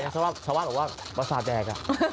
ชาวบ้านบอกว่าสาดแดก